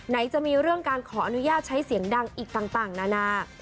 ไหนจะมีเรื่องการขออนุญาตใช้เสียงดังอีกต่างนานา